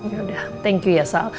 yaudah thank you ya sal